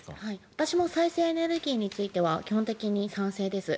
私も再生エネルギーに関しては基本的に賛成です。